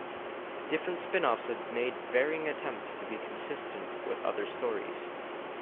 Different spin-offs have made varying attempts to be consistent with other stories.